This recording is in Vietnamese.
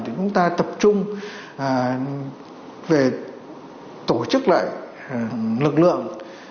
thì chúng ta tập trung về tổ chức lại lực lượng